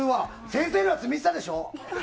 先生のやつ見てたでしょ？